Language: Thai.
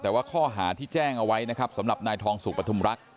แต่ว่าข้อหาที่แจ้งเอาไว้นะครับสำหรับนายทองสุกปฐุมรักษ